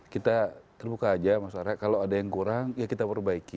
kita terbuka aja mas arya kalau ada yang kurang ya kita perbaiki